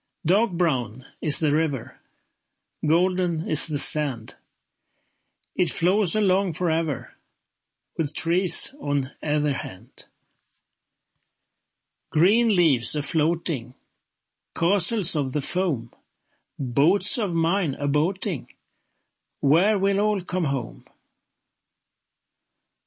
Dark brown is the river, Golden is the sand. It flows along for ever, With trees on either hand. Green leaves a floating, Castles of the foam, Boats of mine a boating— Where will all come home?